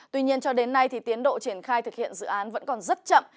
tuy nhiên cho đến nay thì tiến độ triển khai thực hiện dự án vẫn còn rất chậm